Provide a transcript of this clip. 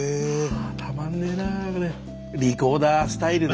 たまんねえなこれ。